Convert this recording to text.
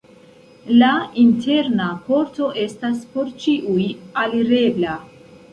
La interna korto estas por ĉiuj alirebla.